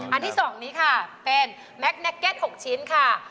อันที่๒นี้ค่ะเป็นแม็กแ็กเก็ต๖ชิ้นค่ะ